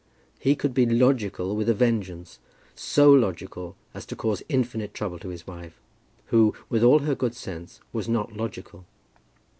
He could be logical with a vengeance, so logical as to cause infinite trouble to his wife, who, with all her good sense, was not logical.